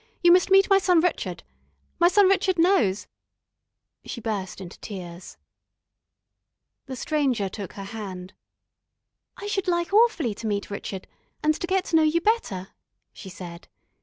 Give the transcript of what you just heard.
You must meet my son Rrchud.... My son Rrchud knows...." She burst into tears. The Stranger took her hand. "I should like awfully to meet Rrchud, and to get to know you better," she said.